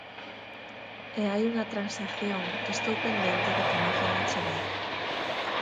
E hai unha transacción, que estou pendente de que ma faga chegar.